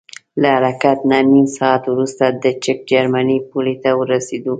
له حرکت نه نیم ساعت وروسته د چک جرمني پولې ته رسیږو.